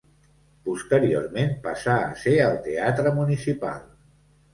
Posteriorment passà a ser el teatre municipal.